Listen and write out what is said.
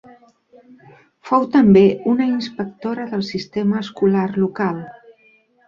Fou també una inspectora del sistema escolar local.